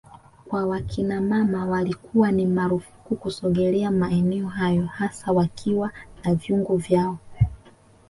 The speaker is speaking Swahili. kwa wakinamama ilikuwa ni marufuku kusogelea maeneo hayo hasa wakiwa na vyungu vyao